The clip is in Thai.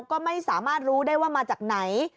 ก็ไม่สามารถรู้ได้ว่ามาจากไหน